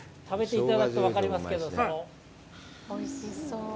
食べていただくと分かりますけど。